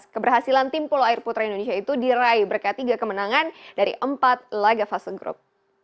keberhasilan tim polo air putra indonesia itu diraih berkat tiga kemenangan dari empat laga fase grup